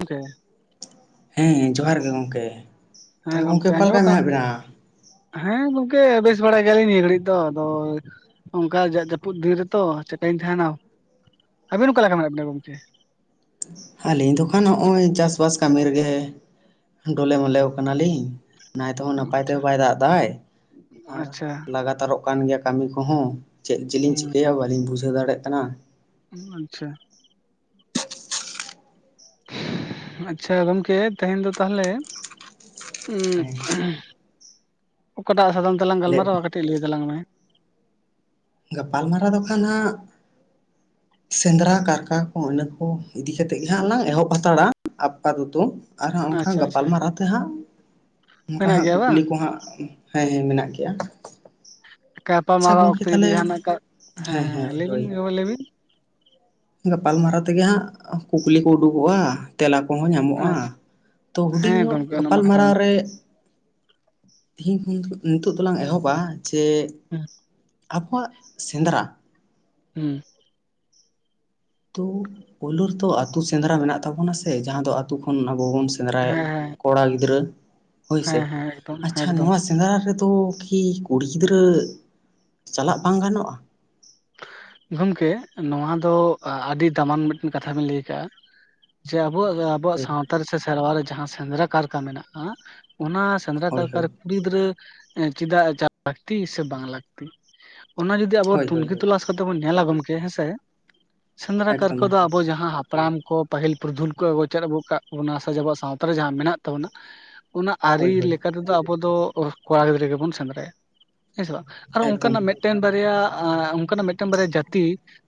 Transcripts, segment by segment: ᱚᱝᱠᱮ ᱦᱮᱸ ᱡᱚᱦᱟᱨ ᱜᱮ ᱜᱚᱝᱠᱮ ᱦᱮᱸ ᱛᱟᱦᱞᱮ ᱜᱚᱝᱠᱮ ᱚᱠᱟ ᱞᱮᱠᱟ ᱟᱸᱡᱚᱢᱚᱜ ᱠᱟᱱᱟ? ᱢᱮᱱᱟᱜ ᱵᱮᱱᱟ? ᱦᱮᱸ ᱜᱚᱝᱠᱮ ᱵᱮᱥ ᱵᱟᱲᱟ ᱜᱮᱭᱟᱞᱤᱧ ᱱᱤᱭᱟᱹ ᱜᱷᱟᱹᱲᱤᱡ ᱫᱚ ᱟᱫᱚ, ᱚᱝᱠᱟ ᱡᱟᱜ ᱡᱟᱹᱯᱩᱫ ᱫᱤᱱ ᱨᱮᱛᱚ ᱪᱮᱠᱟᱧ ᱛᱟᱦᱮᱱᱟ? ᱟᱹᱵᱮᱱ ᱚᱠᱟ ᱞᱮᱠᱟ ᱢᱮᱱᱟᱜ ᱵᱮᱱᱟ ᱜᱚᱝᱠᱮ? ᱟᱹᱞᱤᱧ ᱫᱚ ᱠᱷᱟᱱ ᱱᱚᱜ-ᱚᱭ ᱪᱟᱥ-ᱵᱟᱥ ᱠᱟᱹᱢᱤ ᱨᱮᱜᱮ ᱰᱚᱞᱮᱢᱚᱞᱮ ᱣᱟᱠᱟᱱᱟᱞᱤᱧ ᱱᱟᱭ ᱛᱮᱦᱚᱸ ᱱᱟᱯᱟᱭ ᱛᱮᱦᱚᱸ ᱵᱟᱭ ᱫᱟᱜ ᱮᱫᱟᱭ ᱟᱨ ᱟᱪᱪᱷᱟ ᱞᱟᱜᱟᱛᱟᱨᱚᱜ ᱠᱟᱱ ᱜᱮᱭᱟ ᱠᱟᱢᱤ ᱠᱚᱦᱚᱸ ᱪᱮᱫ ᱪᱚᱞᱤᱧ ᱦᱩᱸ ᱪᱤᱠᱟᱹᱭᱟ ᱵᱟᱹᱞᱤᱧ ᱵᱩᱡᱷᱟᱹᱣ ᱫᱟᱲᱮᱜ ᱠᱟᱱᱟ ᱟᱪᱷᱟ ᱟᱪᱷᱟ ᱜᱚᱢᱠᱮ ᱛᱮᱦᱮᱧ ᱫᱚ ᱛᱟᱦᱚᱞᱮ ᱩᱸᱜ ᱦᱮᱸ ᱚᱠᱟᱴᱟᱜ ᱥᱟᱛᱟᱢ ᱛᱮᱞᱟᱝ ᱞᱮᱫ ᱜᱟᱞᱢᱟᱨᱟᱣᱟ, ᱠᱟᱹᱴᱤᱡ ᱞᱟᱹᱭ ᱛᱟᱞᱟᱝ ᱢᱮ ᱜᱟᱯᱟᱞᱢᱟᱨᱟᱣ ᱫᱚ ᱠᱟᱱᱟ [inaudible] ᱥᱮᱸᱫᱽᱨᱟ ᱠᱟᱨᱠᱟ ᱠᱚ ᱤᱱᱟᱹ ᱠᱚ ᱤᱫᱤ ᱠᱟᱛᱮᱫ ᱜᱮ ᱦᱟᱸᱜ ᱞᱟᱝ ᱮᱦᱚᱵ ᱦᱟᱛᱟᱲᱟ [unintelligible] ᱜᱩᱛᱩᱢ ᱟᱨᱦᱟᱸᱜ ᱚᱱᱠᱟ ᱟᱪᱪᱷᱟ ᱟᱪᱪᱷᱟ ᱜᱟᱯᱟᱞᱢᱟᱨᱟᱣ ᱛᱮ ᱦᱟᱸᱜ ᱚᱱᱠᱟ ᱢᱮᱱᱟᱜ ᱦᱟᱸᱜ ᱜᱮᱭᱟ ᱠᱩᱠᱞᱤ ᱵᱟᱝ ᱠᱩ ᱦᱟᱸᱜ ᱦᱮᱸ ᱦᱮᱸ ᱢᱮᱱᱟᱜ ᱜᱤᱭᱟ ᱜᱟᱯᱟ ᱢᱟᱨᱟᱣ ᱚᱠᱛᱮ ᱜᱤ ᱡᱟᱦᱟᱱᱟᱜ ᱦᱮᱸ ᱦᱮᱸ ᱞᱟᱹᱭᱵᱤᱱ [unintelligible] ᱞᱟᱹᱭᱵᱤᱱ ᱜᱟᱯᱟᱞᱢᱟᱨᱟᱣ ᱛᱤᱜᱮ ᱦᱟᱸᱜ ᱠᱩᱠᱞᱤ ᱠᱚ ᱩᱰᱩᱠᱚᱜ-ᱟ ᱛᱮᱞᱟ ᱠᱩᱦᱚᱸ ᱧᱟᱢᱚᱜ-ᱟ ᱟᱪᱪᱷᱟ ᱛᱚ ᱦᱩᱰᱤᱧ ᱦᱮᱸ ᱧᱚᱜ ᱜᱚᱝᱠᱮ ᱚᱱᱟᱢᱟ ᱜᱟᱯᱟᱞ ᱠᱟᱛᱷᱟ ᱠᱟᱱ ᱢᱟᱨᱟᱣ ᱜᱮ᱾ ᱨᱮ ᱛᱤᱦᱤᱧ ᱛᱤᱦᱤᱧ ᱱᱤᱛᱚᱜ ᱫᱚᱞᱟᱝ ᱮᱦᱚᱵᱟ ᱡᱮ ᱦᱩᱸ ᱟᱯᱢᱟᱜ ᱥᱮᱸᱫᱽᱨᱟ ᱦᱮᱸ ᱛᱳ ᱯᱳᱭᱞᱳ ᱨᱮ ᱛᱚ ᱟᱛᱩ ᱥᱮᱸᱫᱽᱨᱟ ᱢᱮᱱᱟᱜ ᱛᱟᱵᱚᱱᱟ ᱥᱮ ᱡᱟᱦᱟᱸ ᱫᱚ ᱟᱛᱩ ᱠᱷᱚᱱ ᱟᱵᱚ ᱵᱚᱱ ᱥᱮᱸᱫᱽᱨᱟᱭᱮᱜ ᱦᱮᱸ ᱦᱮᱸ ᱠᱚᱲᱟ ᱜᱤᱫᱽᱨᱟᱹ ᱦᱳᱭ ᱥᱮ ᱦᱮᱸ ᱦᱮᱸ ᱮᱠᱫᱚᱢ ᱟᱪᱷᱟ ᱮᱠᱫᱚᱢ ᱱᱚᱶᱟ ᱥᱮᱸᱫᱽᱨᱟ ᱨᱮᱫᱚ ᱠᱤ ᱠᱩᱲᱤ ᱜᱤᱫᱽᱨᱟᱹ ᱪᱟᱞᱟᱜ ᱵᱟᱝ ᱜᱟᱱᱚᱜ-ᱟ? ᱜᱚᱢᱠᱮ ᱱᱚᱶᱟ ᱫᱚ ᱟ ᱟᱹᱰᱤ ᱫᱟᱢᱟᱱ ᱢᱤᱫ ᱴᱮᱱ ᱠᱟᱛᱷᱟ ᱵᱤᱱ ᱞᱟᱹᱭ ᱟᱠᱟᱫ-ᱟ ᱡᱮ ᱟᱵᱚᱣᱟᱜ ᱟᱵᱚᱣᱟᱜ ᱦᱳᱭ ᱥᱟᱶᱛᱟ ᱨᱮ ᱥᱮ ᱥᱮᱨᱣᱟ ᱨᱮ ᱡᱟᱦᱟᱸ ᱥᱮᱸᱫᱽᱨᱟ ᱠᱟᱨᱠᱟ ᱢᱮᱱᱟᱜ-ᱟ ᱚᱱᱟ ᱥᱮᱸᱫᱽᱨᱟ ᱦᱳᱭ ᱠᱟᱨᱠᱟ ᱦᱳᱭ ᱨᱮ ᱠᱩᱲᱤ ᱜᱤᱫᱽᱨᱟᱹ ᱪᱤᱫᱟᱜ ᱪᱟ ᱞᱟᱹᱠᱛᱤ ᱥᱮ ᱵᱟᱝ ᱞᱟᱹᱠᱛᱤ? ᱚᱱᱟ ᱡᱩᱫᱤ ᱟᱵᱚ ᱦᱳᱭ ᱦᱳᱭ ᱛᱩᱱᱠᱷᱤ ᱦᱳᱭ ᱛᱚᱞᱟᱥ ᱠᱟᱛᱮ ᱵᱚᱱ ᱧᱮᱞᱟ ᱜᱚᱢᱠᱮ ᱦᱮᱸᱥᱮ ᱥᱮᱸᱫᱽᱨᱟ ᱮᱠᱫᱚᱢ ᱠᱟᱨᱠᱟ ᱫᱚ ᱮᱠᱫᱚᱢ ᱟᱵᱚ ᱡᱟᱦᱟᱸ ᱦᱟᱯ ᱦᱟᱯᱲᱟᱢ ᱠᱩ ᱯᱟᱹᱦᱤᱞ ᱯᱩᱨᱫᱷᱩᱞ ᱠᱩ ᱟᱹᱜᱚ ᱪᱮᱫ ᱟᱹᱜᱚ ᱠᱟᱜ ᱵᱚᱱᱟ ᱥᱮ ᱟᱵᱚᱣᱟᱜ ᱥᱟᱶᱛᱟ ᱨᱮ ᱡᱟᱦᱟᱸ ᱢᱮᱱᱟᱜ ᱛᱟᱵᱚᱱᱟ ᱚᱱᱟ ᱟᱹᱨᱤ ᱦᱳᱭ ᱦᱳᱭ ᱞᱮᱠᱟ ᱛᱮᱫᱚ ᱟᱵᱚ ᱫᱚ ᱠᱚᱲᱟ ᱜᱤᱫᱽᱨᱟᱹ ᱜᱮᱵᱚᱱ ᱥᱮᱸᱫᱽᱨᱟᱭᱟ ᱦᱮᱸ ᱥᱮ ᱵᱟᱝ, ᱟᱨ ᱮᱠᱫᱚᱢ ᱚᱱᱠᱟᱱᱟᱜ ᱢᱤᱫ ᱴᱮᱱ ᱵᱟᱨᱭᱟ ᱚᱱᱠᱟᱱᱟᱜ ᱢᱤᱫ ᱴᱮᱱ ᱵᱟᱨᱭᱟ ᱡᱟᱹᱛᱤ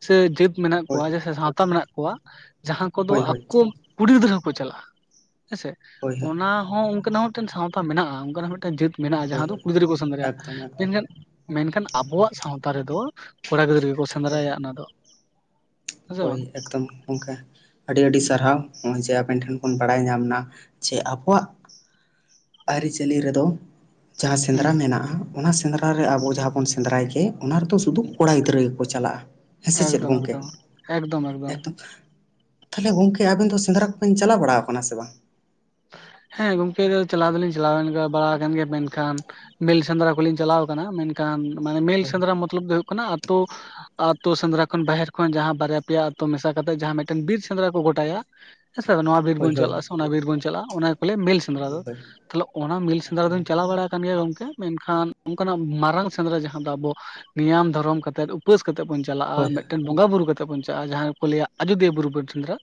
ᱥᱮ ᱡᱟᱹᱛ ᱢᱮᱱᱟᱜ ᱦᱳᱭ ᱠᱚᱣᱟ ᱥᱮ ᱥᱟᱶᱛᱟ ᱢᱮᱱᱟᱜ ᱠᱩᱣᱟ ᱡᱟᱦᱟᱸ ᱠᱩᱫᱚ ᱦᱳᱭ ᱦᱳᱭ ᱟᱠᱩ ᱠᱩᱲᱤ ᱜᱤᱫᱽᱨᱟᱹ ᱦᱚᱸᱠᱚ ᱪᱟᱞᱟᱜ-ᱟ ᱦᱮᱸᱥᱮ ᱦᱳᱭ ᱦᱳᱭ ᱦᱳᱭ ᱚᱱᱟ ᱦᱚᱸ ᱦᱳᱭ ᱚᱱᱠᱟᱱᱟᱜ ᱦᱚᱸ ᱢᱤᱫ ᱴᱮᱱ ᱥᱟᱶᱛᱟ ᱢᱮᱱᱟᱜ-ᱟ ᱚᱱᱠᱟᱱᱟᱜ ᱢᱤᱫᱴᱮᱱ ᱡᱟᱹᱛ ᱢᱮᱱᱟᱜ-ᱟ ᱡᱟᱦᱟᱸ ᱦᱳᱭ ᱫᱚ ᱦᱳᱭ ᱠᱩᱲᱤ ᱜᱤᱫᱽᱨᱟᱹ ᱠᱩ ᱥᱮᱸᱫᱽᱨᱟᱭᱟ ᱮᱠᱫᱚᱢ ᱮᱠᱫᱚᱢ ᱢᱮᱱᱠᱷᱟᱱ ᱢᱮᱱᱠᱷᱟᱱ ᱟᱵᱚᱣᱟᱜ ᱥᱟᱶᱛᱟ ᱨᱮᱫᱚ ᱠᱚᱲᱟ ᱜᱤᱫᱽᱨᱟᱹ ᱠᱚ ᱦᱳᱭ ᱥᱮᱸᱫᱽᱨᱟᱭᱟ ᱚᱱᱟ ᱫᱚ ᱦᱮᱸᱥᱮ ᱵᱟᱝ ᱜᱚᱝᱠᱮ ᱟᱹᱰᱤ ᱟᱹᱰᱤ ᱥᱟᱨᱦᱟᱣ ᱱᱚᱜᱼᱚᱭ ᱡᱮ ᱟᱵᱮᱱ ᱴᱷᱮᱱ ᱵᱚᱱ ᱵᱟᱲᱟᱭ ᱧᱟᱢᱱᱟ ᱡᱮ ᱟᱵᱚᱣᱟᱜ ᱟᱹᱨᱤᱪᱟᱹᱞᱤ ᱨᱮᱫᱚ ᱡᱟᱦᱟᱸ ᱦᱩᱸ ᱥᱮᱸᱫᱽᱨᱟ ᱢᱮᱱᱟᱜ-ᱟ ᱚᱱᱟ ᱥᱮᱸᱫᱽᱨᱟ ᱨᱮ ᱟᱵᱚ ᱡᱟᱦᱟᱸ ᱵᱚᱱ ᱥᱮᱸᱫᱽᱨᱟᱭ ᱜᱮ ᱚᱱᱟ ᱨᱮᱫᱚ ᱥᱩᱫᱩ ᱠᱚᱲᱟ ᱜᱤᱫᱽᱨᱟᱹ ᱠᱚ ᱪᱟᱞᱟᱜᱼᱟ ᱦᱮᱸ ᱥᱮ ᱪᱮᱫ ᱮᱠᱫᱚᱢ ᱜᱚᱢᱠᱮ? ᱮᱠᱫᱚᱢ ᱮᱠᱫᱚᱢ ᱛᱟᱦᱚᱞᱮ ᱜᱚᱝᱠᱮ ᱟᱵᱮᱱ ᱫᱚ ᱥᱮᱸᱫᱽᱨᱟ ᱠᱚᱵᱮᱱ ᱪᱟᱞᱟᱣ ᱵᱟᱲᱟᱣ ᱠᱟᱱᱟ ᱥᱮ ᱵᱟᱝ? ᱦᱮᱸ ᱜᱚᱢᱠᱮ ᱪᱟᱞᱟᱣ ᱫᱚᱞᱤᱧ ᱪᱟᱞᱟᱣ ᱮᱱ ᱵᱟᱲᱟ ᱟᱠᱟᱱ ᱜᱮᱭᱟ ᱢᱮᱱᱠᱷᱟᱱ ᱢᱮᱞ ᱥᱮᱸᱫᱽᱨᱟ ᱠᱚᱞᱤᱧ ᱪᱟᱞᱟᱣ ᱠᱟᱱᱟ ᱢᱮᱱᱠᱷᱟᱱ ᱢᱟᱱᱮ ᱢᱮᱞ ᱦᱳᱭ ᱥᱮᱸᱫᱽᱨᱟ ᱢᱚᱛᱞᱚᱵ ᱫᱚ ᱦᱩᱭᱩᱜ ᱠᱟᱱᱟ ᱟᱛᱩ ᱟᱛᱩ ᱥᱮᱸᱫᱽᱨᱟ ᱠᱷᱚᱱ ᱵᱟᱦᱮᱨ ᱠᱷᱚᱱ ᱡᱟᱦᱟᱸ ᱵᱟᱨᱭᱟ ᱯᱮᱭᱟᱛᱩ ᱢᱮᱥᱟ ᱠᱟᱛᱮ ᱡᱟᱦᱟᱸ ᱢᱤᱫ ᱴᱮᱱ ᱵᱤᱨ ᱥᱮᱸᱫᱽᱨᱟ ᱠᱚ ᱜᱚᱴᱟᱭᱟ ᱦᱮᱸ ᱥᱮ ᱱᱚᱶᱟ ᱵᱤᱨ ᱦᱳᱭ ᱵᱩᱱ ᱦᱳᱭ ᱪᱟᱞᱟᱜ-ᱟ ᱥᱮ ᱩᱱᱟ ᱵᱤᱨ ᱵᱩᱱ ᱪᱟᱞᱟᱜ-ᱟ ᱩᱱᱟ ᱜᱮ ᱠᱚ ᱞᱟᱹᱭᱟ ᱢᱮᱞ ᱥᱮ ᱥᱮᱸᱫᱽᱨᱟ ᱫᱚ ᱦᱳᱭ ᱛᱟᱦᱚᱞᱮ ᱚᱱᱟ ᱢᱤᱞ ᱥᱮᱸᱫᱽᱨᱟ ᱮᱠᱫᱚᱢ ᱫᱩᱧ ᱮᱠᱫᱚᱢ ᱪᱟᱞᱟᱣ ᱵᱟᱲᱟ ᱠᱟᱱ ᱜᱮᱭᱟ ᱜᱚᱝᱠᱮ ᱢᱮᱱᱠᱷᱟᱱ ᱚᱱᱠᱟᱱᱟᱜ ᱢᱟᱨᱟᱝ ᱥᱮᱸᱫᱽᱨᱟ ᱡᱟᱦᱟᱸ ᱫᱚ ᱟᱵᱚ ᱱᱤᱭᱟᱢ ᱫᱷᱚᱨᱚᱢ ᱠᱟᱛᱮᱫ ᱩᱯᱟᱹᱥ ᱠᱟᱛᱮᱫ ᱵᱚᱱ ᱪᱟᱞᱟᱜᱼᱟ᱾ ᱦᱳᱭ ᱢᱤᱫᱴᱮᱱ ᱵᱚᱸᱜᱟᱼᱵᱩᱨᱩ ᱠᱟ ᱠᱟᱛᱮᱫ ᱵᱚᱱ ᱪᱟᱞᱟᱜᱼᱟ᱾ ᱡᱟᱦᱟᱸᱭ ᱠᱚ ᱞᱟᱹᱭᱟ ᱟᱡᱳᱚᱫᱤᱭᱟᱹ ᱵᱩᱨᱩ ᱵᱚᱱ ᱥᱮᱸᱫᱽᱨᱟ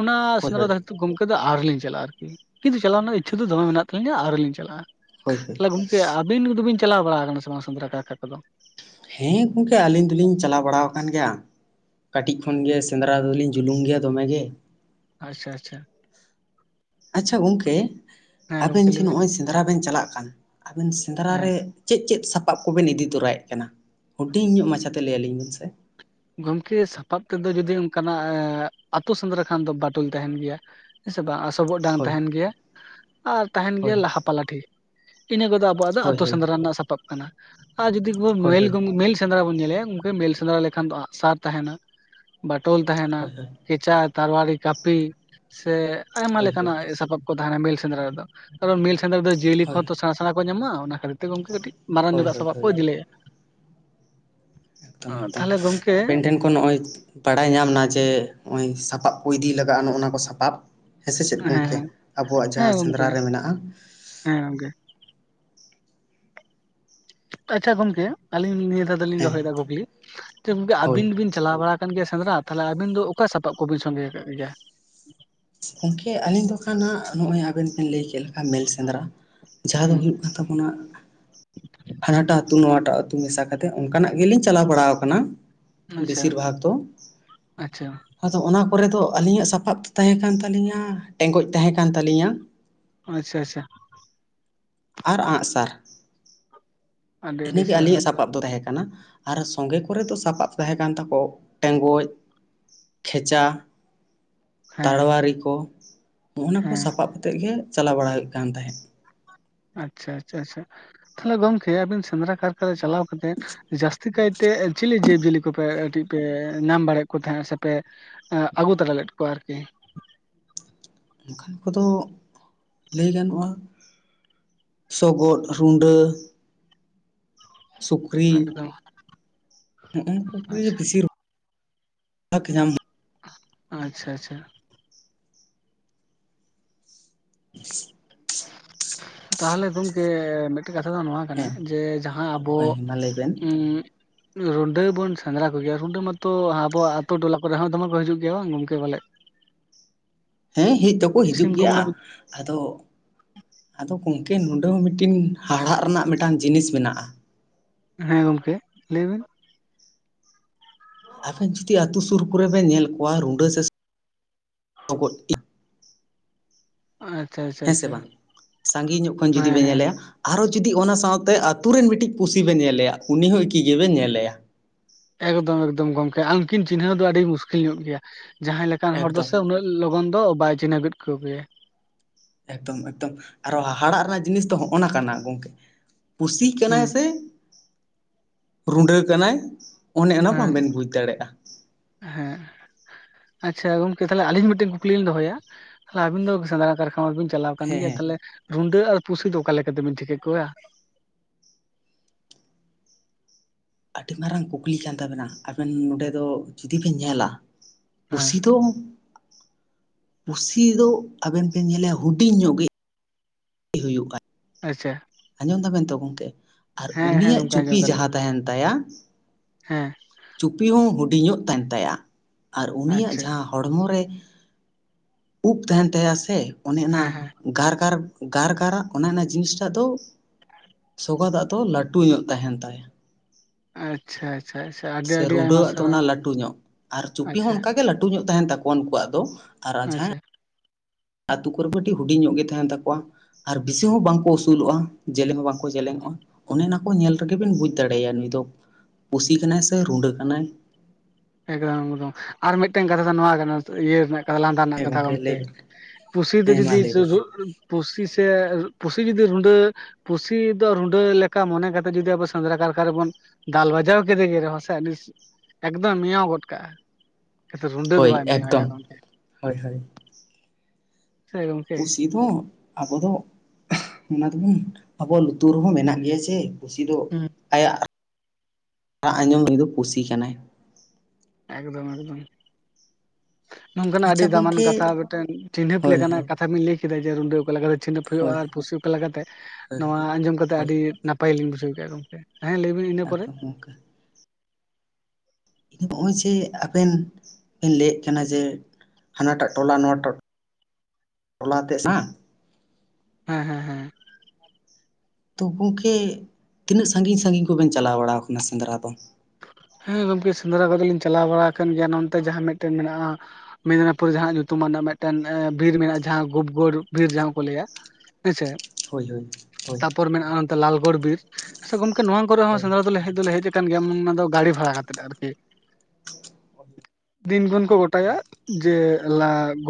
ᱚᱱᱟ ᱦᱳᱭ ᱥᱮᱸᱫᱽᱨᱟ ᱦᱳᱭ ᱫᱷᱟᱨᱮ ᱛᱮ ᱜᱚᱢᱠᱮ ᱫᱚ ᱟᱹᱣᱨᱤ ᱞᱤᱧ ᱪᱟᱞᱟᱜᱼᱟ, ᱟᱨᱠᱤ᱾ ᱠᱤᱱᱛᱩ ᱪᱟᱞᱟᱣ ᱨᱮᱱᱟᱜ ᱤᱪᱪᱷᱟᱹ ᱫᱚᱢᱮ ᱢᱮᱱᱟᱜ ᱛᱟᱹᱞᱤᱧᱟ ᱟᱹᱣᱨᱤ ᱞᱤᱧ ᱪᱟᱞᱟᱜᱼᱟ᱾ ᱦᱳᱭ ᱦᱳᱭ ᱛᱟᱞᱦᱮ ᱜᱚᱝᱠᱮ ᱟᱵᱤᱱ ᱡᱩᱫᱤᱵᱤᱱ ᱪᱟᱞᱟᱣ ᱵᱟᱲᱟ ᱟᱠᱟᱱᱟ ᱥᱮ ᱵᱟᱝ ᱥᱮᱸᱫᱽᱨᱟ ᱠᱟᱨᱠᱟ ᱠᱚᱫᱚ? ᱦᱮᱸ ᱜᱚᱢᱠᱮ ᱟᱹᱞᱤᱧ ᱫᱚᱞᱤᱧ ᱪᱟᱞᱟᱣ ᱵᱟᱲᱟ ᱟᱠᱟᱱ ᱜᱮᱭᱟ᱾ ᱠᱟᱹᱴᱤᱡ ᱠᱷᱚᱱ ᱜᱮ ᱥᱮᱸᱫᱽᱨᱟ ᱫᱚ ᱟᱞᱤᱧ ᱡᱩᱞᱩᱢ ᱜᱮᱭᱟ ᱫᱚᱢᱮᱜ ᱜᱮ᱾ ᱟᱪᱪᱷᱟ ᱟᱪᱪᱷᱟ ᱟᱪᱪᱷᱟ ᱜᱚᱝᱠᱮ ᱦᱮᱸ ᱟᱵᱮᱱ ᱜᱚᱝᱠᱮ ᱡᱮ ᱞᱟᱹᱭ ᱵᱤᱱ ᱱᱚᱜ-ᱚᱭ ᱥᱮᱸᱫᱽᱨᱟ ᱵᱮᱱ ᱪᱟᱞᱟᱜ ᱠᱟᱱ ᱟᱵᱮᱱ ᱥᱮᱸᱫᱽᱨᱟ ᱦᱮᱸ ᱨᱮ ᱪᱮᱫ ᱪᱮᱫ ᱥᱟᱯᱟᱵ ᱠᱚᱵᱮᱱ ᱤᱫᱤ ᱛᱚᱨᱟᱭᱮᱫ ᱠᱟᱱᱟ᱾ ᱦᱩᱰᱤᱧ ᱧᱚᱜ ᱢᱟᱪᱷᱟᱛᱮ ᱞᱟᱹᱭ ᱟᱹᱞᱤᱧ ᱵᱮᱱ ᱥᱮ? ᱜᱚᱢᱠᱮ ᱥᱟᱯᱟᱵ ᱛᱮᱫᱚ ᱡᱩᱫᱤ ᱚᱱᱠᱟᱱᱟᱜ ᱟᱹᱛᱩ ᱥᱮᱸᱫᱽᱨᱟ ᱠᱷᱟᱱ ᱫᱚ ᱵᱟᱴᱚᱞ ᱛᱟᱦᱮᱱ ᱜᱮᱭᱟ᱾ ᱦᱮᱸ ᱥᱮ ᱵᱟᱝ ᱟᱥᱚᱵᱚᱜ ᱰᱟᱝ ᱦᱳᱭ ᱛᱟᱦᱮᱱ ᱜᱮᱭᱟ᱾ ᱟᱨ ᱛᱟᱦᱮᱱ ᱜᱮᱭᱟ ᱦᱳᱭ ᱞᱟᱦᱟᱯᱞᱟᱴᱷᱤ ᱤᱱᱟᱹ ᱠᱚᱫᱚ ᱟᱵᱚᱣᱟᱜ ᱫᱚ ᱦᱳᱭ ᱟᱛᱳ ᱦᱳᱭ ᱥᱮᱸᱫᱽᱨᱟ ᱨᱮᱱᱟᱜ ᱥᱟᱯᱟᱵ ᱠᱟᱱᱟ ᱟᱨ ᱡᱩᱫᱤ ᱦᱳᱭ ᱢᱮᱞ ᱦᱳᱭ ‌ᱜᱚᱝ ᱢᱮᱞ ᱥᱮᱸᱫᱽᱨᱟ ᱵᱚᱱ ᱧᱮᱞᱮᱜ-ᱟ ᱜᱚᱢᱠᱮ ᱢᱮᱞ ᱥᱮᱸᱫᱽᱨᱟ ᱞᱮᱠᱷᱟᱱ ᱫᱚ ᱟᱸᱜ-ᱥᱟᱨ ᱛᱟᱦᱮᱱᱟ᱾ ᱵᱟᱴᱳᱚᱞ ᱛᱟᱦᱮᱱᱟ ᱦᱳᱭ ᱦᱳᱭ ᱦᱳᱭ ᱠᱷᱮᱪᱟ ᱛᱟᱨᱣᱟᱨᱤ ᱠᱟᱹᱯᱤ ᱥᱮ ᱟᱭᱢᱟ ᱦᱳᱭ ᱞᱮᱠᱟᱱᱟᱜ ᱥᱟᱯᱟᱵ ᱠᱚ ᱫᱟᱬᱟ ᱵᱤᱞ ᱥᱮᱸᱫᱽᱨᱟ ᱨᱮ ᱫᱚ ᱱᱮᱛᱟᱨ ᱫᱚ ᱢᱮᱞ ᱥᱮᱸᱫᱽ ᱨᱮ ᱫᱚ ᱡᱤᱭᱟᱹᱞᱤ ᱦᱳᱭ ᱠᱚᱦᱚᱸᱚ ᱥᱮᱬᱟ-ᱥᱮᱬᱟ ᱠᱚ ᱧᱟᱢᱚᱜᱼᱟ, ᱚᱱᱟ ᱠᱷᱟᱹᱛᱤᱨ ᱛᱮ ᱜᱚᱝᱠᱮ ᱠᱟᱹᱴᱤᱡ ᱢᱟᱨᱟᱝ ᱦᱳᱭ ᱧᱚᱜᱟᱜ ᱦᱳᱭ ᱥᱟᱯᱵ ᱠᱚ ᱦᱳᱭ ᱤᱫᱤᱞᱮᱜᱼᱟ᱾ ᱮᱠᱫᱚᱢ ᱮᱠᱫᱚᱢ ᱛᱟᱦᱚᱞᱮ ᱜᱚᱢᱠᱮ ᱟᱵᱮᱱ ᱴᱷᱮᱱ ᱠᱷᱚᱱ ᱱᱚᱜ ᱚᱭ ᱵᱟᱲᱟᱭ ᱧᱟᱢ ᱱᱟ ᱡᱮ ᱱᱚᱜ ᱚᱚᱭ ᱥᱟᱯᱟᱵ ᱠᱚ ᱤᱫᱤ ᱞᱟᱜᱟᱜᱼᱟ ᱱᱚᱜ-ᱚᱱᱟ ᱠᱚ ᱥᱟᱯᱟᱵ ᱦᱮᱸ ᱥᱮ ᱪᱮᱫ ᱜᱚᱢᱠᱮ ᱟᱵᱚᱣᱟᱜ ᱦᱮᱸ ᱡᱟᱦᱟᱸ ᱜᱚᱢᱠᱮ ᱥᱮᱸᱫᱽᱨᱟ ᱨᱮ ᱢᱮᱱᱟᱜᱼᱟ᱾ ᱦᱮᱸ ᱜᱚᱝᱠᱮ ᱟᱪᱪᱷᱟ ᱜᱚᱝᱠᱮ ᱟᱹᱞᱤᱧ ᱱᱤᱭᱟᱹ ᱫᱷᱟᱣ ᱫᱚᱞᱤᱧ ᱦᱮᱸ ᱫᱚᱦᱚᱭᱮᱫᱟ ᱠᱩᱠᱞᱤ ᱡᱮ ᱜᱚᱝᱠᱮ ᱦᱳᱭ ᱟᱵᱤᱱ ᱵᱤᱱ ᱪᱟᱞᱟᱣ ᱵᱟᱲᱟ ᱟᱠᱟᱱ ᱜᱮᱭᱟ ᱥᱮᱸᱫᱽᱨᱟ ᱛᱟᱞᱦᱮ ᱟᱵᱮᱱ ᱫᱚ ᱚᱠᱟ ᱥᱟᱯᱟᱵ ᱠᱚᱵᱤᱱ ᱥᱚᱸᱜᱮ ᱟᱠᱟᱫ ᱜᱮᱭᱟ? ᱜᱚᱢᱠᱮ ᱟᱹᱞᱤᱧ ᱫᱚ ᱠᱷᱟᱱ ᱦᱟᱸᱜ ᱱᱚᱜ-ᱚᱭ ᱟᱵᱮᱱ ᱵᱮᱤᱱ ᱞᱟᱹᱭ ᱠᱮᱫ ᱞᱮᱠᱟ ᱢᱮᱞ ᱥᱮᱸᱫᱽᱨᱟ ᱡᱟᱦᱟᱸ ᱫᱚ ᱦᱩᱸ ᱦᱩᱭᱩᱜ ᱠᱟᱱᱟ ᱢᱮᱱᱟᱜ ᱛᱟᱵᱚᱱᱟ ᱦᱟᱱᱟᱴᱟᱜ ᱟᱹᱛᱩ ᱱᱚᱣᱟᱴᱟᱜ ᱟᱹᱛᱩ ᱢᱮᱥᱟ ᱠᱟᱛᱮ ᱚᱱᱠᱟᱱᱟᱜ ᱜᱮᱞᱤᱧ ᱪᱟᱞᱟᱣ ᱵᱟᱲᱟ ᱟᱠᱟᱱᱟ᱾ ᱟᱪᱪᱷᱟ ᱵᱮᱥᱤᱨ ᱵᱷᱟᱜᱽ ᱫᱚ ᱟᱪᱪᱷᱟ ᱟᱫᱚ ᱚᱱᱟ ᱠᱚᱨᱮ ᱫᱚ ᱟᱹᱞᱤᱧᱟᱜ ᱥᱟᱯᱟᱵ ᱛᱟᱦᱮᱸ ᱠᱟᱱ ᱛᱟᱹᱟᱞᱞᱤᱧᱟ ᱴᱮᱸᱜᱚᱡ ᱛᱟᱦᱮᱸ ᱠᱟᱱ ᱛᱟᱹᱞᱤᱧᱟ ᱟᱪᱪᱷᱟ ᱟᱪᱪᱷᱟ ᱟᱨ ᱟᱸᱜ ᱥᱟᱨ ᱟᱹᱰᱤ ᱟᱹᱰᱤ ᱤᱱᱟᱹᱜᱮ ᱥᱟᱨᱦᱟᱣ ᱟᱹᱞᱤᱧᱟᱜ ᱥᱟᱨ ᱥᱟᱯᱟᱵ ᱫᱚ ᱛᱟᱦᱮᱸ ᱠᱟᱱᱟ ᱟᱨ ᱥᱚᱸᱜᱮ ᱠᱚᱨᱮ ᱫᱚ ᱥᱟᱯᱟᱵ ᱛᱟᱦᱮᱸ ᱠᱟᱱ ᱛᱟᱠᱚ ᱴᱮᱸᱜᱚᱡ ᱠᱷᱮᱪᱟ ᱦᱮᱸ ᱛᱟᱲᱣᱟᱨᱤ ᱠᱚ ᱱᱚᱜᱼᱚᱱᱟ ᱠᱚ ᱦᱮᱸ ᱥᱟᱯᱟᱵ ᱠᱚᱛᱮ‌ ᱜᱮ ᱪᱟᱞᱟᱣ ᱵᱟᱲᱟ ᱦᱩᱭᱩᱜ ᱠᱟᱱ ᱛᱟᱦᱮᱸᱜ᱾ ᱟᱪᱪᱷᱟ ᱟᱪᱪᱷᱟ ᱟᱪᱷᱟ ᱛᱟᱦᱮ ᱜᱚᱝᱠᱮ ᱟᱵᱤᱱ ᱥᱮᱸᱫᱽᱨᱟ ᱠᱟᱨᱠᱟᱨ ᱨᱮ ᱪᱟᱞᱟᱣ ᱠᱟᱛᱮ ᱡᱟᱹᱥᱛᱤ ᱠᱟᱭ ᱛᱮ ᱪᱤᱞᱤ ᱡᱤᱵᱽᱡᱤᱭᱟᱹᱞᱤ ᱠᱚᱯᱮ ᱠᱟᱹᱴᱤᱡ ᱯᱮ ᱧᱟᱢ ᱵᱟᱲᱟᱭᱮᱫ ᱠᱚ ᱛᱟᱦᱮᱸᱜ-ᱟ ᱥᱮᱯᱮ ᱟᱹᱜᱩ ᱛᱟᱨᱟ ᱞᱮᱫ ᱠᱚᱣᱟ ᱟᱨᱠᱤ ᱚᱝᱠᱟᱱ ᱠᱚᱫᱚ ᱞᱟᱹᱭ ᱜᱟᱱᱚᱜᱼᱟ, ᱥᱚᱜᱚᱫ, ᱨᱩᱸᱰᱟᱹ ᱥᱩᱠᱨᱤ ᱮᱠᱫᱚᱢ ᱱᱚᱜᱼᱚ ᱠᱩ ᱟᱪᱪᱷᱟ ᱵᱤᱥᱤᱨ [unintelligible] ᱟᱪᱪᱷᱟ ᱟᱪᱪᱷᱟ ᱛᱟᱦᱞᱮ ᱜᱚᱢᱠᱮ ᱢᱤᱫᱴᱮᱡ ᱠᱟᱛᱷᱟ ᱫᱚ ᱱᱚᱣᱟ ᱠᱟᱱᱟ ᱦᱮᱸ ᱡᱮ ᱦᱮᱸ ᱟᱵᱚ ᱦᱳᱭ ᱢᱟ ᱞᱟᱹᱭ ᱵᱮᱱ ᱩᱸᱜ ᱨᱩᱸᱰᱟᱹ ᱵᱚᱱ ᱥᱮᱸᱫᱽᱨᱟ ᱠᱚᱜᱮᱭᱟ ᱨᱩᱸᱰᱟᱹ ᱢᱟᱛᱚ ᱟᱵᱚ ᱟᱹᱛᱩ-ᱴᱚᱞᱟ ᱠᱚᱨᱮ ᱦᱚᱸ ᱫᱚᱢᱮ ᱠᱚ ᱦᱤᱡᱩᱜ ᱜᱮᱭᱟ ᱵᱟᱝ ᱜᱚᱝᱠᱮ? ᱵᱚᱞᱮ ᱦᱮᱸ ᱦᱮᱡ ᱫᱚᱠᱚ ᱦᱤᱡᱩᱜ ᱥᱤᱢ ᱜᱮᱭᱟ ᱠᱩᱢᱵᱽᱲᱩ ᱟᱫᱚ ᱟᱫᱚ ᱜᱚᱢᱠᱮ ᱱᱚᱰᱮ ᱦᱚᱸ ᱢᱤᱫᱴᱤᱱ ᱦᱟᱲᱦᱟᱜ ᱨᱮᱱᱟᱜ ᱢᱤᱫᱴᱟᱝ ᱡᱤᱱᱤᱥ ᱢᱮᱱᱟᱜᱼᱟ᱾ ᱦᱮᱸ ᱜᱚᱢᱠᱮ ᱞᱟᱹᱭᱵᱤᱱ ᱟᱵᱮᱱ ᱡᱩᱫᱤ ᱟᱹᱛᱩ ᱥᱩᱨ ᱠᱚᱨᱮ ᱵᱮᱱ ᱧᱮᱞ ᱠᱚᱣᱟ ᱨᱩᱸᱰᱟᱹ ᱥᱮ ᱠᱩ [unintelligible] ᱟᱪᱪᱷᱟ [inaudible] ᱦᱮᱸ ᱥᱮ ᱵᱟᱝ ᱥᱟᱺᱜᱤᱧ ᱧᱚᱜ ᱠᱷᱚᱱ ᱡᱩᱫᱤ ᱦᱮᱸ ᱵᱮᱱ ᱦᱮᱸ ᱧᱮᱞᱮᱭᱟ ᱟᱨᱚ ᱡᱩᱫᱤ ᱚᱱᱟ ᱥᱟᱸᱶᱛᱮ ᱟᱛᱩ ᱨᱮᱱ ᱢᱤᱫᱴᱤᱡ ᱯᱩᱥᱤ ᱵᱮᱱ ᱧᱮᱞᱮᱭᱟ ᱩᱱᱤ ᱦᱚᱸ ᱮᱠᱤ ᱜᱮᱵᱮᱱ ᱧᱮᱞᱮᱭᱟ ᱮᱠᱫᱚᱢ ᱮᱠᱫᱚᱢ ᱜᱚᱝᱠᱮ ᱩᱱᱠᱤᱱ ᱪᱤᱱᱦᱟᱹᱣ ᱫᱚ ᱟᱹᱰᱤ ᱢᱩᱥᱠᱤᱞ ᱧᱚᱜ ᱜᱮᱭᱟ ᱡᱟᱦᱟᱸᱭ ᱞᱮᱠᱟᱱ ᱦᱚᱲ ᱫᱚ ᱮᱠᱫᱚᱢ ᱥᱮ ᱩᱱᱟᱹ ᱞᱚᱜᱚᱱ ᱫᱚ ᱵᱟᱭ ᱪᱤᱱᱦᱟᱹᱣ ᱜᱮᱫ ᱠᱚ ᱜᱮᱭᱟ ᱾ ᱮᱠᱫᱚᱢ ᱮᱠᱫᱚᱢ ᱟᱨᱚ ᱦᱟᱦᱟᱲᱟᱜ ᱨᱮᱱᱟᱜ ᱡᱤᱱᱤᱥ ᱫᱚ ᱦᱚᱜᱼᱚ ᱱᱟ ᱠᱟᱱᱟ ᱜᱚᱝᱠᱮ ᱯᱩᱥᱤ ᱠᱟᱱᱟᱭ ᱦᱩᱸ ᱥᱮ ᱨᱩᱸᱰᱟᱹ ᱠᱟᱱᱟᱭ? ᱚᱱᱮ ᱚᱱᱟ ᱦᱮᱸ ᱵᱟᱵᱮᱱ ᱵᱩᱡᱽ ᱫᱟᱲᱮᱜᱼᱟ ᱾ ᱦᱮᱸ ᱟᱪᱪᱷᱟ ᱜᱚᱝᱠᱮ ᱛᱟᱦᱚᱞᱮ ᱟᱞᱤᱧ ᱢᱤᱫᱴᱮᱱ ᱠᱩᱠᱞᱤ ᱞᱤᱧ ᱫᱚᱦᱚᱭᱟ ᱛᱟᱦᱚᱞᱮ ᱟᱵᱤᱱ ᱫᱚ ᱥᱮᱸᱫᱽᱨᱟ ᱠᱚᱨᱮ ᱠᱷᱚᱱ ᱵᱤᱱ ᱪᱟᱞᱟᱹᱣ ᱠᱟᱱ ᱦᱮᱸ ᱜᱮᱭᱟ ᱦᱮᱸ ᱛᱟᱦᱚᱞᱮ ᱨᱩᱸᱰᱟᱹ ᱟᱨ ᱯᱩᱥᱤ ᱫᱚ ᱚᱠᱟ ᱛᱮᱵᱤᱱ ᱴᱷᱤᱠᱟᱹ ᱠᱚᱣᱟ? ᱟᱹᱰᱤ ᱢᱟᱨᱟᱝ ᱠᱩᱠᱞᱤ ᱠᱟᱱ ᱛᱟᱵᱮᱱᱟ ᱟᱵᱮᱱ ᱱᱚᱰᱮ ᱫᱚ ᱡᱩᱫᱤ ᱵᱮᱱ ᱧᱮᱞᱟ ᱦᱮᱸ ᱯᱩᱥᱤ ᱫᱚ ᱯᱩᱥᱤ ᱫᱚ ᱟᱵᱮᱱ ᱵᱮᱱ ᱧᱮᱭᱟ ᱦᱩᱰᱤᱧ ᱧᱚᱜ ᱜᱮ ᱦᱩᱭᱩᱜ ᱟᱭ ᱟᱪᱪᱷᱟ ᱾ ᱟᱸᱡᱚᱢ ᱫᱟᱵᱮᱱ ᱛᱚ ᱜᱚᱢᱠᱮ ᱟᱨ ᱦᱮᱸ ᱩᱱᱤᱭᱟᱜ ᱜᱚᱝᱠᱮ ᱪᱩᱯᱤ ᱟᱸᱡᱚᱢ ᱫᱟᱞᱤᱧ ᱡᱟᱦᱟᱸ ᱛᱟᱦᱮᱱ ᱛᱟᱭᱟ ᱦᱮᱸ ᱾ ᱪᱩᱯᱤ ᱦᱚᱸ ᱦᱩᱰᱤ ᱧᱚᱜ ᱛᱟᱦᱮᱱ ᱛᱟᱭᱟ ᱟᱨ ᱩᱱᱤᱭᱟᱜ ᱟᱪᱪᱷᱟ ᱡᱟᱦᱟᱸ ᱦᱚᱲᱢᱚ ᱨᱮ ᱩᱵ ᱛᱟᱦᱮᱱ ᱛᱟᱭᱟ ᱥᱮ ᱚᱱᱮ ᱚᱱᱟ ᱦᱮᱸ ᱦᱮᱸ ᱜᱟᱨᱜᱟᱨ ᱜᱟᱨᱜᱟᱨᱟᱜ ᱚᱱᱟ ᱚᱱᱮ ᱡᱤᱱᱤᱥ ᱴᱟᱜ ᱫᱚ ᱥᱚᱜᱟ ᱫᱟᱜ ᱫᱚ ᱞᱟᱹᱴᱩ ᱧᱚᱜ ᱛᱟᱦᱮᱱ ᱛᱟᱭᱟ ᱾ ᱟᱪᱪᱷᱟ᱾ ᱟᱪᱷᱟᱪᱷᱟ ᱾ [unintelligible] ᱥᱮ ᱨᱩᱸᱰᱟᱹ ᱣᱟᱜ ᱫᱚ ᱚᱱᱟ ᱞᱟᱹᱴᱩ ᱧᱚᱜ ᱟᱨ ᱪᱩᱯᱤ ᱦᱚᱸ ᱟᱪᱪᱷᱟ ᱚᱱᱠᱟ ᱜᱮ ᱞᱟᱹᱴᱩ ᱧᱚᱜ ᱛᱟᱦᱮᱱ ᱛᱟᱠᱚᱣᱟ ᱩᱱᱠᱩᱣᱟᱜ ᱫᱚ ᱟᱪᱪᱷᱟ ᱾ ᱟᱛᱩ ᱠᱚᱨᱮ ᱫᱚ ᱠᱟᱹᱴᱤᱡ ᱦᱩᱰᱤᱧ ᱧᱚᱜ ᱜᱮ ᱛᱟᱦᱮᱱ ᱛᱟᱠᱚᱣᱟ ᱟᱨ ᱵᱮᱥᱤ ᱦᱚᱸ ᱵᱟᱝ ᱠᱚ ᱩᱥᱩᱞᱚᱜᱼᱟ ᱾ ᱡᱮᱞᱮᱧ ᱦᱚᱸ ᱵᱟᱝᱠᱚ ᱡᱮᱞᱮᱧᱚᱜᱼᱟ ᱚᱱᱮ ᱚᱱᱟ ᱚᱱᱟ ᱠᱚ ᱧᱮᱞ ᱨᱮᱜᱮ ᱵᱮᱱ ᱵᱩᱡᱽ ᱫᱟᱲᱮᱟᱭᱟᱭ ᱱᱩᱭ ᱫᱚ ᱯᱩᱥᱤ ᱠᱟᱱᱟᱭ ᱥᱮ ᱨᱩᱸᱰᱟᱹ ᱠᱟᱱᱟᱭ ᱾ ᱮᱠᱫᱚᱢ ᱮᱠᱫᱚᱢ ᱟᱨ ᱢᱤᱫᱴᱟᱝ ᱠᱟᱛᱷᱟ ᱫᱚ ᱱᱚᱣᱟ ᱠᱟᱱᱟ ᱤᱭᱟᱹ ᱨᱮᱱᱟᱜ ᱠᱟᱛᱷᱟ ᱞᱟᱸᱫᱟ ᱨᱮᱱᱟᱜ ᱦᱮᱸ ᱠᱟᱛᱷᱟ ᱞᱟᱹᱭ ᱜᱚᱝᱠᱮ ᱵᱮᱱ ᱠᱩᱥᱤ ᱫᱚ ᱦᱮᱸ ᱢᱟ ᱡᱩᱫᱤ ᱞᱟᱹᱭ ᱵᱮᱱ ᱯᱩᱥᱤ ᱥᱮ ᱯᱩᱥᱤ ᱡᱩᱫᱤ ᱨᱩᱸᱰᱟᱹ ᱯᱩᱥᱤ ᱫᱚ ᱨᱩᱸᱰᱟᱹ ᱞᱮᱠᱟ ᱢᱚᱱᱮ ᱠᱟᱛᱮ ᱡᱚᱫᱤ ᱟᱵᱚ ᱥᱮᱸᱫᱽᱨᱟ ᱠᱟᱨᱠᱟ ᱨᱮᱵᱚᱱ ᱫᱟᱞ ᱵᱟᱡᱟᱣ ᱠᱮᱫ ᱜᱮ ᱨᱮᱦᱚᱸ ᱥᱮ ᱵᱟᱝ ᱢᱮᱸᱭᱟᱣ ᱜᱚᱫ ᱠᱟ ᱟᱭ ᱦᱳᱭ ᱮᱠᱫᱚᱢ ᱦᱳᱭ ᱦᱳᱭ ᱾ ᱥᱮ ᱜᱚᱢᱠᱮ ᱯᱩᱥᱤ ᱫᱚ ᱟᱵᱚ ᱫᱚ ᱚᱱᱟ ᱫᱚᱵᱚᱱ ᱟᱵᱚ ᱞᱩᱛᱩᱨ ᱨᱮᱦᱚᱸ ᱢᱮᱱᱟᱜ ᱜᱮᱭᱟ ᱪᱮ ᱠᱩᱥᱤ ᱫᱚ ᱦᱩᱸ ᱟᱭᱟᱜ ᱨᱟᱜ ᱟᱸᱡᱚᱢ ᱩᱱᱤ ᱫᱚ ᱯᱩᱥᱤ ᱠᱟᱱᱟᱭ ᱮᱠᱫᱚᱢ ᱮᱠᱫᱚᱢ ᱾ ᱱᱚᱝᱠᱟᱱᱟᱜ ᱟᱹᱰᱤ ᱟᱪᱪᱷᱟ ᱫᱟᱢᱟᱱ ᱜᱚᱝᱠᱮ ᱠᱟᱛᱷᱟ ᱢᱤᱫᱴᱮᱱ ᱪᱤᱱᱦᱟᱹᱯ ᱦᱳᱭ ᱦᱳᱭ ᱞᱮᱠᱟᱱᱟᱜ ᱠᱟᱛᱷᱟ ᱵᱤᱱ ᱞᱟᱹᱭ ᱠᱮᱫᱟ ᱡᱮ ᱨᱩᱰᱳ ᱚᱠᱟ ᱞᱮᱠᱟᱛᱮ ᱪᱤᱱᱦᱟᱹᱯ ᱦᱩᱭᱩᱜ-ᱟ ᱦᱳᱭ ᱟᱨ ᱯᱩᱥᱤ ᱚᱠᱟ ᱠᱟᱛᱮ ᱦᱳᱭ ᱱᱚᱣᱟ ᱦᱳᱭ ᱟᱸᱡᱚᱢ ᱠᱟᱛᱮᱫ ᱦᱳᱭ ᱟᱹᱰᱤ ᱱᱟᱯᱟᱭ ᱞᱤᱧ ᱵᱩᱡᱷᱟᱹᱣ ᱠᱮᱫᱟ ᱜᱚᱢᱠᱮ᱾ ᱦᱮᱸ ᱞᱟᱹᱭᱵᱤᱱ ᱤᱱᱟᱹ ᱯᱚᱨᱮ ᱮᱠᱫᱚᱢ ᱜᱚᱝᱠᱮ ᱛᱤᱱᱟᱹᱜ ᱢᱚᱡᱽ ᱡᱮ ᱟᱵᱮᱱ ᱵᱮᱱ ᱞᱟᱹᱭᱮᱫ ᱠᱟᱱᱟ ᱡᱮ ᱦᱟᱱᱟᱴᱟᱜ ᱴᱚᱞᱟ ᱱᱚᱣᱟᱴᱟᱜ ᱴᱚᱞᱟ ᱛᱮ ᱥᱟᱝ ᱦᱮᱸ ᱦᱮᱸ ᱦᱮᱸ ᱾ ᱛᱚ ᱜᱚᱝᱠᱮ ᱛᱤᱱᱟᱹᱜ ᱥᱟᱺᱜᱤᱧ ᱥᱟᱺᱜᱤᱧ ᱠᱚᱵᱮᱱ ᱪᱟᱞᱟᱣ ᱵᱟᱲᱟᱣ ᱠᱟᱱᱟ ᱥᱮᱸᱫᱽᱨᱟ ᱫᱚ? ᱦᱮᱸ ᱜᱚᱝᱠᱮ ᱥᱮᱸᱫᱽᱨᱟ ᱠᱚᱫᱚ ᱞᱤᱧ ᱪᱟᱞᱟᱣ ᱵᱟᱲᱟ ᱟᱠᱟᱱ ᱜᱮᱭᱟ ᱱᱚᱱᱛᱮ ᱡᱟᱦᱟᱸ ᱢᱤᱫᱴᱮᱱ ᱢᱮᱱᱟᱜᱼᱟ ᱢᱮᱫᱽᱱᱟᱤᱯᱩᱨ ᱡᱟᱦᱟᱸ ᱧᱩᱛᱩᱢ ᱢᱟᱹᱱᱟ ᱢᱤᱫᱴᱮᱱ ᱵᱤᱨ ᱢᱮᱱᱟᱜᱼᱟ ᱡᱟᱦᱟᱸ ᱜᱩᱯᱜᱳᱲ ᱵᱤᱨ ᱡᱟᱦᱟᱸ ᱠᱚ ᱞᱟᱹᱭᱟ ᱾ ᱦᱮᱸᱥᱮ ᱦᱳᱭ ᱦᱳᱭ ᱦᱳᱭ ᱛᱟᱯᱚᱨ ᱢᱮᱱᱟᱜᱼᱟ ᱞᱟᱞᱜᱚᱲ ᱵᱤᱨ ᱟᱪᱪᱷᱟ ᱜᱚᱝᱠᱮ ᱱᱚᱣᱟ ᱠᱚᱨᱮ ᱦᱚᱸ ᱦᱳᱭ ᱥᱮᱸᱫᱽᱨᱟ ᱫᱚᱞᱮ ᱦᱮᱡ ᱫᱚᱞᱮ ᱦᱮᱡ ᱟᱠᱟᱱ ᱜᱮᱭᱟ ᱚᱱᱟ ᱫᱚ ᱜᱟᱲᱤ ᱵᱷᱟᱲᱟ ᱦᱟᱛᱮᱛ ᱟᱨᱠᱤ ᱫᱤᱱ ᱠᱷᱚᱱ ᱠᱚ ᱜᱚᱴᱟᱭᱟ ᱡᱮ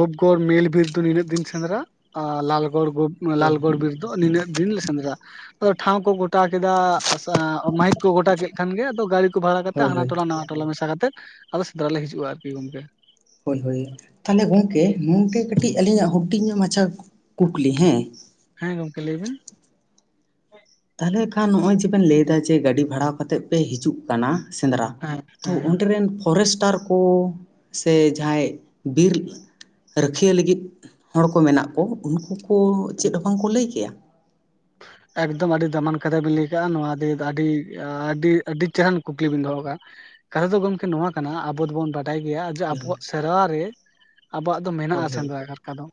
ᱜᱩᱯᱜᱳᱨ ᱢᱮᱞ ᱵᱤᱨ ᱫᱚ ᱱᱤᱱᱟᱹᱜ ᱫᱤᱱ ᱥᱮᱸᱫᱽᱨᱟ ᱞᱟᱞ ᱜᱚᱲᱜᱩ ᱦᱳᱭ ᱞᱟᱞᱜᱚᱲ ᱵᱤᱨ ᱫᱚ ᱱᱤᱱᱟᱹᱜ ᱫᱤᱱ ᱞᱮ ᱥᱮᱸᱫᱽᱨᱟ ᱟᱫᱚ ᱴᱷᱟᱶ ᱠᱚ ᱜᱚᱴᱟ ᱠᱮᱫᱟ ᱢᱟᱹᱦᱤᱛ ᱠᱚ ᱜᱚᱴᱟ ᱠᱮᱫ ᱠᱷᱟᱱ ᱜᱮ ᱟᱫᱚ ᱜᱤ ᱵᱷᱟᱲᱟ ᱠᱟᱛᱮ ᱦᱳᱭ ᱦᱟᱱᱟ ᱦᱳᱭ ᱴᱚᱞᱟ ᱱᱟᱣᱟ ᱴᱚᱞᱟ ᱢᱮᱥᱟ ᱠᱟᱛᱮ ᱟᱫᱚ ᱥᱮᱫᱽᱨᱟ ᱞᱮ ᱦᱤᱡᱩᱜ-ᱟ ᱟᱨᱠᱤ ᱜᱚᱝᱠᱮ ᱦᱳᱭ ᱦᱳᱭ ᱛᱟᱦᱚᱞᱮ ᱜᱚᱢᱠᱮ ᱱᱚᱝᱠᱮ ᱠᱟᱹᱴᱤᱡ ᱟᱹᱞᱤᱧᱟᱜ ᱦᱩᱰᱤᱧ ᱧᱚᱜ ᱢᱟᱪᱷᱟ ᱠᱩᱠᱞᱤ ᱦᱮᱸ ᱦᱮᱸ ᱜᱚᱢᱠᱮ ᱞᱟᱹᱭᱵᱤᱱ ᱛᱟᱦᱚᱞᱮ ᱠᱷᱟᱱ ᱱᱚᱜ ᱚᱭ ᱡᱮᱵᱮᱱ ᱞᱟᱹᱭ ᱮᱫᱟ ᱡᱮ ᱜᱟᱹᱰᱤ ᱵᱷᱟᱲᱟ ᱠᱟᱛᱮᱜ ᱯᱮ ᱦᱤᱡᱩᱜ ᱠᱟᱱᱟ ᱥᱮᱸᱫᱽᱨᱟ ᱦᱮᱸ ᱛᱚ ᱦᱮᱸ ᱦᱮᱸ ᱚᱸᱰᱮ ᱨᱮᱱ ᱯᱷᱚᱨᱮᱥᱴᱟᱨ ᱠᱚ ᱥᱮ ᱡᱟᱦᱟᱸᱭ ᱵᱤᱨ ᱨᱟᱹᱠᱷᱤᱭᱟᱹ ᱞᱟᱹᱜᱤᱫ ᱦᱚᱲ ᱠᱚ ᱢᱮᱱᱟᱜ ᱠᱚ ᱩᱱᱠᱩ ᱠᱚ ᱪᱮᱫ ᱦᱚᱸ ᱵᱟᱝ ᱠᱚ ᱞᱟᱹᱭ ᱠᱮᱭᱟ ᱮᱠᱫᱚᱢ ᱟᱹᱰᱤ ᱫᱟᱢᱟᱱ ᱠᱟᱛᱷᱟ ᱵᱤᱱ ᱞᱟᱹᱭ ᱟᱠᱟᱫ-ᱟ ᱱᱚᱣᱟ ᱫᱤᱭᱟᱹ ᱫᱚ ᱟᱹᱰᱤ ᱟᱹᱰᱤ ᱟᱹᱰᱤ ᱪᱮᱦᱟᱱ ᱠᱩᱠᱞᱤ ᱵᱤᱱ ᱫᱚᱦᱚ ᱠᱟᱜ-ᱟ᱾ ᱠᱟᱛᱷᱟ ᱫᱚ ᱜᱚᱢᱠᱮ ᱱᱚᱣᱟ ᱠᱟᱱᱟ ᱟᱵᱚ ᱫᱚᱵᱚᱱ ᱵᱟᱰᱟᱭ ᱜᱮᱭᱟ ᱟᱵᱚᱣᱟᱜ ᱥᱮᱨᱣᱟ ᱨᱮ ᱟᱵᱚᱣᱟᱜ ᱫᱚ ᱦᱳᱭ ᱢᱮᱱᱟᱜ-ᱟ ᱦᱳᱭ ᱦᱳᱭ ᱥᱮᱸᱫᱽᱨᱟ ᱠᱟᱨᱠᱟ ᱫᱚ᱾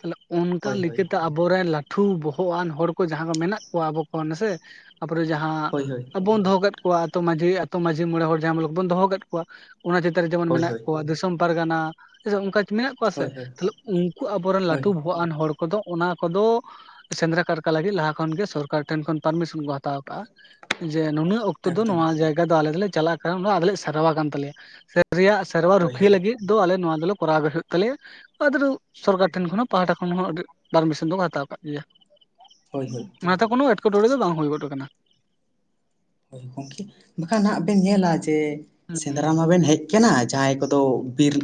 ᱛᱟᱦᱚᱞᱮ ᱚᱱᱠᱟ ᱦᱳᱭ ᱦᱳᱭ ᱞᱮᱠᱟᱛᱮ ᱟᱵᱚᱨᱮᱱ ᱞᱟᱹᱴᱷᱩ ᱵᱚᱦᱚᱜ ᱟᱱ ᱦᱚᱲ ᱠᱚ ᱡᱟᱦᱟᱸ ᱠᱚ ᱢᱮᱱᱟᱜ ᱠᱚᱣᱟ ᱟᱵᱚ ᱠᱚ ᱱᱟᱥᱮ ᱛᱟᱯᱚᱨᱮ ᱡᱟᱦᱟᱸ ᱦᱳᱭ ᱦᱳᱭ ᱵᱚᱱ ᱫᱚᱦᱚ ᱠᱟᱜ ᱠᱚ ᱟᱛᱳ ᱢᱟᱹᱡᱷᱤ ᱟᱛᱳ ᱢᱟᱹᱡᱷᱤ ᱢᱚᱬᱮ ᱦᱚᱲ ᱡᱟᱦᱟᱸᱢ ᱵᱚᱱ ᱫᱚᱦᱚ ᱠᱮᱫ ᱠᱚᱣᱟ ᱚᱱᱟ ᱪᱮᱛᱟᱱ ᱨᱮ ᱡᱮᱢᱚᱱ ᱦᱳᱭ ᱢᱮᱱᱟᱜ ᱦᱳᱭ ᱠᱚᱣᱟ ᱯᱟᱨᱜᱟᱱᱟ ᱚᱱᱠᱟ ᱢᱮᱱᱟᱜ ᱠᱚᱣᱟ ᱥᱮ ᱦᱳᱭ ᱦᱳᱭ ᱛᱟᱦᱞᱮ ᱩᱱᱠᱩ ᱟᱵᱚᱨᱮᱱ ᱞᱟᱹᱴᱩ ᱦᱳᱭ ᱵᱚᱦᱚᱜ ᱟᱱ ᱦᱚᱲ ᱠᱚᱫᱚ ᱚᱱᱟ ᱠᱚᱫᱚ ᱥᱮᱸᱫᱽᱨᱟ ᱠᱟᱨᱠᱟ ᱞᱟᱹᱜᱤᱫ ᱞᱟᱦᱟ ᱠᱷᱚᱱᱜᱮ ᱥᱚᱨᱠᱟᱨ ᱴᱷᱮᱱ ᱠᱷᱚᱱ ᱯᱟᱨᱢᱤᱥᱚᱱ ᱠᱚ ᱦᱟᱛᱟᱣ ᱠᱟᱜ-ᱟ ᱡᱮ ᱱᱩᱱᱟᱹᱜ ᱚᱠᱛᱚ ᱫᱚ ᱮᱠᱫᱚᱢ ᱱᱚᱣᱟ ᱮᱠᱫᱚᱢ ᱡᱟᱭᱜᱟ ᱫᱚ ᱟᱞᱮ ᱫᱚᱞᱮ ᱪᱟᱞᱟᱜ ᱠᱟᱱᱟ ᱟᱞᱮ ᱞᱮ ᱥᱮᱟᱨᱣᱟ ᱠᱟᱱ ᱛᱟᱞᱮᱭᱟ᱾ ᱨᱮᱭᱟᱜ ᱥᱮᱨᱣᱟ ᱦᱳᱭ ᱨᱩᱠᱷᱤᱭᱟᱹ ᱦᱳᱭ ᱞᱟᱹᱜᱤᱫ ᱫᱚ ᱟᱞᱮ ᱱᱚᱣᱟ ᱫᱚᱞᱮ ᱠᱚᱨᱟᱣ ᱜᱮ ᱦᱩᱭᱩᱜ ᱛᱟᱞᱮᱭᱟ ᱟᱫᱚ ᱥᱚᱨᱠᱟᱨ ᱦᱳᱭ ᱴᱷᱮᱱ ᱠᱷᱚᱱ ᱦᱚᱸ ᱯᱟᱦᱴᱟ ᱠᱷᱚᱱ ᱦᱚᱸ ᱟᱹᱰᱤ ᱯᱟᱨᱢᱤᱥᱚᱱ ᱫᱚᱠᱚ ᱦᱟᱛᱟᱣ ᱠᱟᱜ ᱜᱮᱭᱟ᱾ ᱦᱳᱭ ᱦᱳᱭ ᱚᱱᱟᱛᱮ ᱠᱳᱱᱚ ᱮᱴᱠᱮᱴᱚᱬᱮ ᱫᱚ ᱵᱟᱝ ᱦᱩᱭ ᱜᱚᱫ ᱠᱟᱱᱟ᱾ ᱦᱳᱭ ᱜᱚᱢᱠᱮ ᱵᱟᱠᱷᱟᱱ ᱱᱟᱜ ᱵᱮᱱ ᱧᱮᱞᱟ ᱡᱮ ᱥᱮᱸᱫᱽᱨᱟ ᱢᱟᱵᱮᱱ ᱦᱮᱡ ᱠᱟᱱᱟ ᱡᱟᱦᱟᱸᱭ ᱠᱚᱫᱚ ᱵᱤᱨ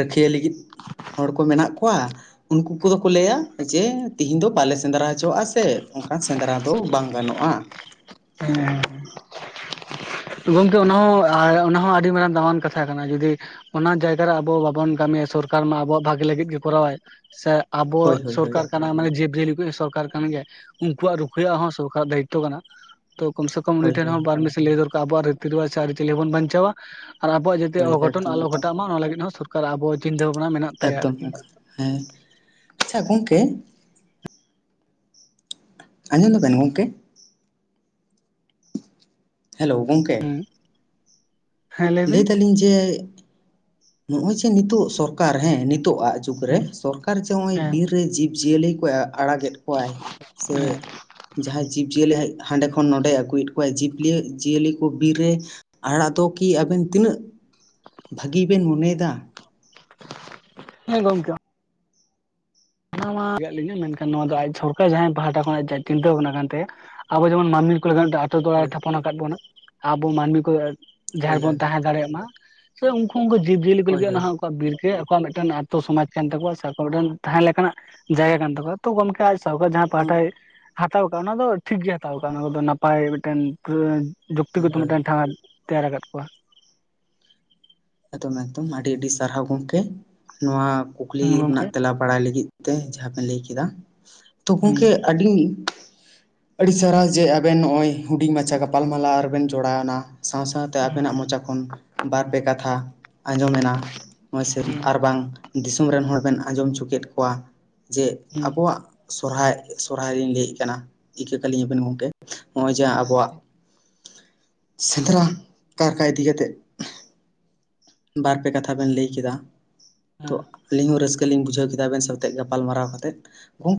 ᱨᱟᱹᱠᱷᱤᱭᱟᱹ ᱞᱟᱹᱜᱤᱫ ᱦᱚᱲ ᱠᱚ ᱢᱮᱱᱟᱜ ᱠᱚᱣᱟ ᱩᱱᱠᱩ ᱠᱚᱫᱚ ᱠᱚ ᱞᱟᱹᱭᱟ ᱡᱮ ᱛᱤᱦᱤᱧ ᱫᱚ ᱵᱟᱞᱮ ᱥᱮᱸᱫᱽᱨᱟ ᱦᱚᱪᱚᱣᱟᱜ-ᱟ ᱥᱮ ᱚᱱᱠᱟᱱ ᱥᱮᱸᱫᱽᱨᱟ ᱫᱚ ᱵᱟᱝ ᱜᱟᱱᱚᱜ-ᱟ᱾ ᱦᱮᱸ ᱦᱮᱸ ᱜᱚᱝᱠᱮ ᱚᱱᱟ ᱦᱚᱸ ᱚᱱᱟ ᱦᱚᱸ ᱟᱹᱰᱤ ᱢᱟᱨᱟᱝ ᱫᱟᱢᱟᱱ ᱠᱟᱛᱷᱟ ᱠᱟᱱᱟ ᱡᱚᱫᱤ ᱚᱱᱟ ᱡᱟᱭᱜᱟᱨᱮ ᱟᱵᱚ ᱵᱟᱵᱚᱱ ᱠᱟᱹᱢᱤᱭᱟ ᱥᱚᱨᱠᱟᱨ ᱢᱟ ᱟᱵᱚᱣᱟᱜ ᱵᱷᱟᱜᱤ ᱞᱟᱹᱜᱤᱫ ᱜᱮ ᱠᱚᱨᱟᱣᱟᱭ ᱥᱮ ᱦᱳᱭ ᱟᱵᱚᱣᱟᱜ ᱦᱳᱭ ᱦᱳᱭ ᱥᱚᱨᱠᱟᱨ ᱠᱟᱱᱟ ᱢᱟᱱᱮ ᱡᱤᱵᱽ ᱡᱤᱭᱟᱹᱞᱤ ᱠᱚ ᱥᱚᱨᱠᱟᱨ ᱠᱟᱱ ᱜᱮᱭᱟᱭ ᱩᱱᱠᱩᱣᱟᱜ ᱨᱩᱠᱷᱤᱟᱹ ᱦᱚᱸ ᱥᱚᱨᱠᱟᱨ ᱫᱟᱭᱤᱛᱛᱚ ᱠᱟᱱᱟ᱾ ᱛᱚ ᱠᱚᱢ ᱥᱮ ᱠᱚᱢ ᱩᱱᱤ ᱦᱳᱭ ᱴᱷᱮᱱ ᱦᱳᱭ ᱦᱚᱸ ᱯᱟᱨᱢᱤᱥᱚᱱ ᱞᱟᱹᱭ ᱫᱚᱨᱠᱟᱨ ᱠᱟᱱᱟ ᱟᱵᱚᱣᱟᱜ ᱨᱤᱛᱤᱨᱳᱣᱟᱡ ᱥᱮ ᱟᱹᱨᱤᱼᱪᱟᱹᱞᱤ ᱵᱚᱱ ᱵᱟᱧᱪᱟᱣᱟ ᱟᱨ ᱟᱵᱚᱣᱟᱜ ᱡᱟᱛᱮ ᱦᱳᱭ ᱚᱜᱷᱚᱴᱚᱱ ᱮᱠᱫᱚᱢ ᱮᱠᱫᱚᱢ ᱟᱞᱚᱷᱚᱴᱟᱜ ᱢᱟ ᱚᱱᱟ ᱞᱟᱹᱜᱤᱫ ᱦᱚᱸ ᱥᱚᱨᱠᱟᱨ ᱟᱵᱚᱣᱟᱜ ᱪᱤᱱᱛᱟᱹ ᱵᱱᱟ ᱢᱮᱱᱟᱜ ᱟᱠᱟᱱᱟ ᱮᱠᱫᱚᱢ ᱮᱠᱫᱚᱢ ᱦᱮᱸ ᱟᱪᱪᱷᱟ ᱜᱚᱢᱠᱮ ᱟᱧᱡᱚᱢ ᱫᱚᱵᱤᱱ ᱜᱳᱢᱠᱮ ᱦᱮᱞᱳ ᱜᱚᱝᱠᱮ ᱦᱮᱸ ᱞᱟᱹᱭ ᱵᱤᱱ ᱮᱫ ᱟᱞᱤᱧ ᱡᱮ ᱱᱚᱜᱼᱚᱭ ᱡᱮ ᱱᱤᱛᱚᱜ ᱥᱚᱨᱠᱟᱨ ᱦᱮᱸ ᱱᱤᱛᱚᱜ ᱟᱜ [unintelligible] ᱡᱩᱜ ᱨᱮ ᱦᱮᱸ ᱥᱚᱨᱠᱟᱨ ᱡᱮ ᱱᱚᱜ ᱚᱭ ᱵᱤᱨ ᱦᱮᱸ ᱨᱮ ᱡᱤᱵᱽ ᱡᱤᱭᱟᱹᱞᱤ ᱠᱚᱭ ᱟᱲᱟᱜᱮᱫ ᱠᱚ [unintelligible] ᱠᱚᱣᱟᱭ ᱥᱮ ᱡᱟᱦᱟᱸᱭ ᱡᱤᱵᱽᱼᱡᱤᱭᱟᱹᱞᱤ ᱦᱟᱸᱰᱮ ᱠᱷᱚᱱ ᱱᱚᱸᱰᱮᱭ ᱟᱹᱜᱩᱭᱮᱫ ᱠᱚᱣᱟᱭ ᱡᱤᱵᱽᱞᱤ ᱡᱤᱭᱟᱹᱞᱤ ᱠᱚ ᱵᱤᱨ ᱨᱮ ᱟᱲᱟᱜ ᱫᱚ ᱠᱤ ᱟᱵᱮᱱ ᱛᱤᱱᱟᱹᱜ ᱵᱷᱟᱹᱜᱤ ᱵᱮᱱ ᱢᱚᱱᱮ ᱭᱮᱫᱟ᱾ ᱦᱮᱸ ᱜᱚᱢᱠᱮ ᱚᱱᱟ ᱢᱟ ᱞᱮᱭᱟᱞᱤᱧᱟᱹ ᱢᱮᱱᱠᱷᱟᱱ ᱱᱚᱣᱟ ᱫᱚ ᱟᱡ ᱥᱚᱨᱠᱟᱨ ᱡᱟᱦᱟᱸᱭ ᱯᱟᱦᱟᱴᱟ ᱠᱷᱚᱱ ᱟᱡ ᱪᱤᱱᱛᱟᱹ ᱵᱷᱟᱵᱱᱟ ᱠᱟᱱ ᱛᱟᱭᱟ ᱟᱵᱚ ᱡᱮᱢᱚᱱ ᱢᱟᱱᱢᱤ ᱠᱚ ᱞᱟᱜᱟᱱ ᱟᱛᱳ ᱴᱚᱞᱟᱨᱮ ᱦᱳᱭ ᱛᱷᱟᱯᱚᱱ ᱟᱠᱟᱫ ᱵᱚᱱᱟ ᱟᱵᱚ ᱢᱟᱹᱱᱢᱤ ᱠᱚ ᱦᱳᱭ ᱡᱟᱦᱟ ᱵᱚᱱ ᱦᱳᱭ ᱛᱟᱦᱮᱸ ᱫᱟᱲᱮᱭᱟᱜ ᱢᱟ ᱥᱮ ᱩᱱᱠᱩ ᱩᱱᱠᱩ ᱡᱤᱵᱽ ᱡᱤᱭᱟᱹᱞᱤ ᱠᱚ ᱦᱳᱭ ᱞᱟᱹᱜᱤᱫ ᱚᱱᱟ ᱦᱳᱭ ᱟᱠᱣᱟᱜ ᱵᱤᱨ ᱜᱮ ᱟᱠᱚᱣᱟᱜ ᱢᱤᱫᱴᱮᱱ ᱟᱛᱚ ᱥᱚᱢᱟᱡ ᱠᱟᱱ ᱛᱟᱠᱚᱣᱟ ᱥᱮ ᱟᱠᱚᱣᱟᱜ ᱢᱤᱫᱴᱮᱱ ᱛᱟᱦᱮᱸ ᱞᱮᱠᱟ ᱱᱟᱜ ᱡᱟᱭᱜᱟ ᱠᱟᱱ ᱛᱟᱠᱚᱣᱟ ᱛᱚ ᱜᱚᱢᱠᱮ ᱟᱡ ᱥᱚᱨᱠᱟᱨ ᱡᱟᱦᱟᱸ ᱯᱟᱦᱟᱴᱟᱭ ᱦᱟᱛᱟᱣ ᱟᱠᱟᱜ ᱚᱱᱟᱫᱚ ᱴᱷᱤᱠ ᱜᱮ ᱦᱟᱛᱟᱣ ᱟᱠᱟᱜ ᱚᱱᱟ ᱠᱚ ᱱᱟᱯᱟᱭ ᱢᱤᱫᱴᱮᱱ ᱦᱳᱭ ᱡᱩᱠᱛᱤᱜᱚᱛᱚ ᱦᱳᱭ ᱢᱤᱫᱴᱮᱱ ᱴᱷᱟ ᱛᱮᱭᱟᱨ ᱟᱠᱟᱫ ᱠᱚᱣᱟ ᱮᱫ ᱮᱠᱫᱚᱢ ᱟᱹᱰᱤ ᱟᱹᱰᱤ ᱥᱟᱨᱦᱟᱣ ᱜᱚᱢᱠᱮ ᱱᱚᱣᱟ ᱠᱩᱠᱞᱤ ᱦᱩᱸ ᱨᱮᱱᱟᱜ ᱜᱚᱢᱠᱮ ᱛᱮᱞᱟ ᱵᱟᱲᱟᱭ ᱞᱟᱹᱜᱤᱫ ᱛᱮ ᱡᱟᱦᱟᱸ ᱵᱮᱱ ᱞᱟᱹᱭ ᱠᱮᱫᱟ ᱛᱚ ᱦᱩᱸ ᱜᱚᱢᱠᱮ ᱟᱹᱰᱤ ᱟᱹᱰᱤ ᱪᱟᱨᱦᱟ ᱡᱮ ᱟᱵᱮᱱ ᱱᱚᱜᱼᱚᱭ ᱦᱩᱰᱤᱧ ᱢᱟᱪᱷᱟ ᱜᱟᱯᱟᱞᱢᱟᱞᱟ ᱨᱮᱵᱮᱱ ᱡᱚᱲᱟᱣᱱᱟ ᱥᱟᱶ ᱥᱟᱶᱛᱮ ᱟᱵᱮᱱᱟᱜ ᱢᱚᱪᱟ ᱠᱷᱚᱱ ᱵᱟᱨᱼᱯᱮ ᱠᱟᱛᱷᱟ ᱟᱸᱡᱚᱢᱮᱱᱟ ᱦᱚᱭᱥᱮ ᱦᱩᱸ ᱟᱨ ᱵᱟᱝ ᱫᱤᱥᱚᱢ ᱨᱮᱱ ᱦᱚᱲ ᱵᱮᱱ ᱟᱸᱡᱚᱢ ᱦᱚᱪᱚ ᱠᱮᱫ ᱠᱚᱣᱟ ᱡᱮ ᱟᱵᱚᱣᱟᱜ ᱥᱚᱨᱦᱟᱭ ᱥᱚᱨᱦᱟᱭ ᱨᱤᱧ ᱞᱟᱹᱭᱮᱫ ᱠᱟᱱᱟ ᱤᱠᱟᱹ ᱠᱟᱹᱞᱤᱧᱟ ᱵᱮᱱ ᱜᱚᱢᱠᱮ ᱱᱚᱜᱼᱚᱭ ᱡᱮ ᱦᱮᱸ ᱟᱵᱚᱣᱟᱜ ᱴᱷᱤᱠ ᱥᱮᱸᱫᱽᱨᱟ ᱠᱟᱨᱠᱟ ᱤᱫᱤ ᱠᱟᱛᱮᱫ ᱵᱟᱨ ᱯᱮ ᱠᱟᱛᱷᱟ ᱵᱮᱱ ᱞᱟᱹᱭ ᱠᱮᱫᱟ ᱛᱚ ᱦᱮᱸ [unintelligible] ᱟᱹᱞᱤᱧ ᱦᱚᱸ ᱨᱟᱹᱥᱠᱟᱹ ᱞᱤᱧ ᱵᱩᱡᱷᱟᱹᱣ ᱠᱮᱫᱟ ᱟᱵᱮᱱ ᱥᱟᱶᱛᱮ ᱜᱟᱯᱟᱞᱢᱟᱨᱟᱣ ᱠᱟᱛᱮᱫ [unintelligible]